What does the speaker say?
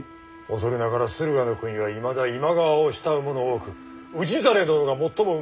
恐れながら駿河国はいまだ今川を慕う者多く氏真殿が最もうまく治められるかと。